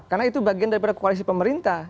karena itu bagian dari koalisi pemerintah